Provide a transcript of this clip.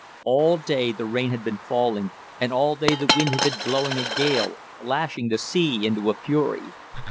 All day the rain had been falling, and all day the wind had been blowing a gale, lashing the sea into a fury.